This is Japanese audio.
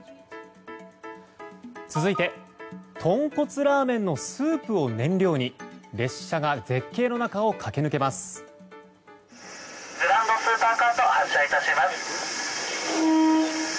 続いて豚骨ラーメンのスープを燃料に列車が絶景の中を駆け抜けます。